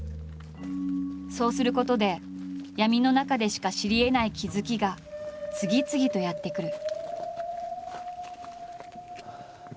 そうすることで闇の中でしか知りえない気付きが次々とやって来る。